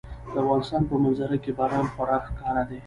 د افغانستان په منظره کې باران خورا ښکاره دی.